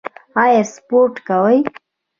ایا سپورت کوئ؟